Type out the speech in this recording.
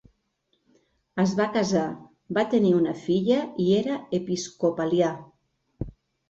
Es va casar, va tenir una filla i era episcopalià.